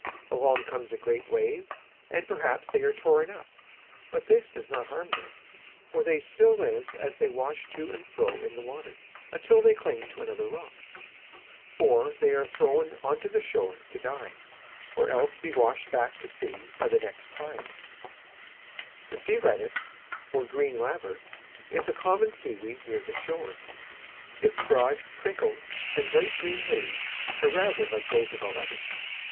Along comes a great wave, and perhaps they are torn up; but this does not harm them, for they still live as they wash to and fro in the water, until they cling to another rock. Or they are thrown on the shore to die, or else to be washed back to sea by the next tide. [Illustration: SEA WEED FROND.] The Sea Lettuce or Green Laver is a common seaweed near the shore. Its broad, crinkled and bright green leaves are rather like those of a lettuce.